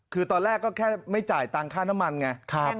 คือตอนแรกก็แค่ไม่จ่ายตังค่าน้ำมันไง